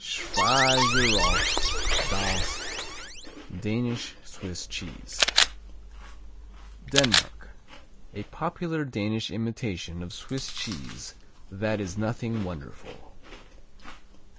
Schweizerost Dansk, Danish Swiss Cheese Denmark A popular Danish imitation of Swiss Swiss cheese that is nothing wonderful.